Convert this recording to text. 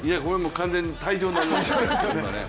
完全に退場になりますからね。